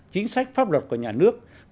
chính sách pháp luật của nhà nước